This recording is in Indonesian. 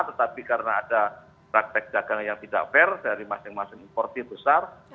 tetapi karena ada praktek dagang yang tidak fair dari masing masing importir besar